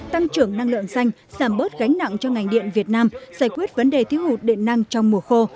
tăng trưởng năng lượng xanh giảm bớt gánh nặng cho ngành điện việt nam giải quyết vấn đề thiếu hụt điện năng trong mùa khô